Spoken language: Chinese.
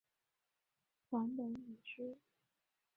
梵本已失。